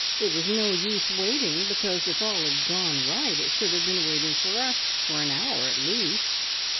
It was no use waiting, because if all had gone right it should have been waiting for us for an hour at least.